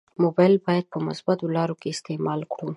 مبایل باید په مثبتو لارو کې استعمال کړو.